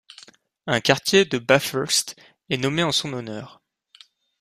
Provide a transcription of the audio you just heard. Un quartier de Bathurst est nommé en son honneur.